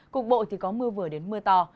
cục bộ thì có mưa vừa đến mưa to